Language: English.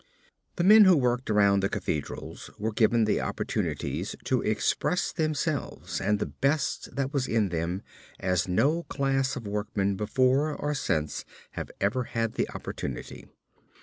The men who worked around the Cathedrals were given opportunities to express themselves and the best that was in them as no class of workmen before or since have ever had the opportunity.